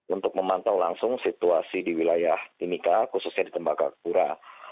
untuk memantau langsung situasi di wilayah timika khususnya di tembagapura